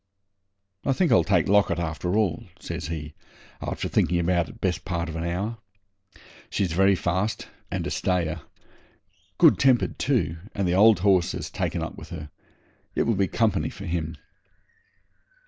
'I think I'll take Locket after all,' says he, after thinking about it best part of an hour. 'She's very fast and a stayer. Good tempered too, and the old horse has taken up with her. It will be company for him.'